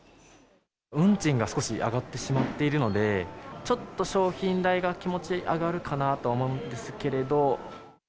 運賃が少し上がってしまっているので、ちょっと商品代が気持ち、上がるかなと思うんですけれど。